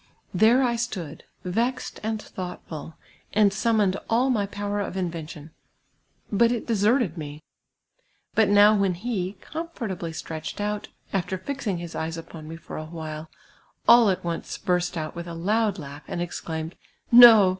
There I stood, ve.xed and thoui^htful, and sum moned all my power of invention ; but it deserted me ! liut now when he, comfortably stretched out, alter fixin;r his eves u])on me for a while, all at <mee burst out into a loud lau;^h, and exclaimed, " No